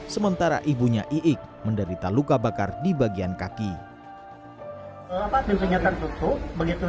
sementara ibunya iq menderita luka bakar di bagian kaki hai lupa tersenyum tentu begitu